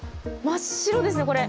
真っ白ですねこれ。